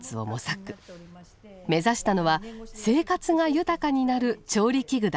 目指したのは生活が豊かになる調理器具だ。